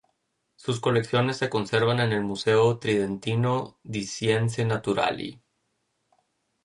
Sus colecciones se conservan en el Museo Tridentino di Scienze Naturali.